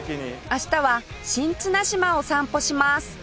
明日は新綱島を散歩します